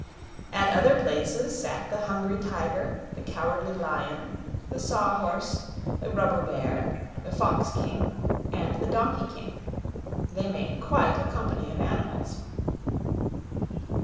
At other places sat the Hungry Tiger, the Cowardly Lion, the Saw Horse, the Rubber Bear, the Fox King and the Donkey King; they made quite a company of animals.